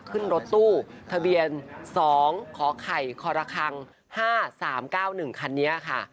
ขึ้นรถตู้ทะเบียน๒ขอไข่ครคัง๕๓๙๑คันนี้ค่ะ